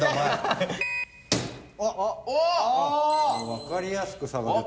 わかりやすく差が出た。